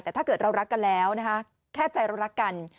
แต่ถ้าเกิดเรารักกันแล้วนะคะแค่ใจเรารักกัน